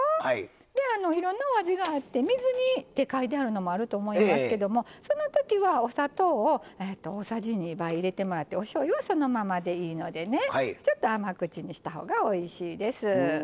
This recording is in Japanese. いろんなお味があって水煮って書いてあるのもあると思いますけど、そのときはお砂糖を大さじ２杯入れてもらっておしょうゆはそのままでいいのでちょっと甘口にしたほうがおいしいです。